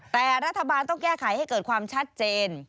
แต่รัฐบาลต้องแก้ไขให้เกิดความชัดเจน